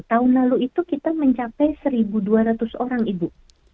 tahun lalu itu kita mencapai satu dua ratus orang ibu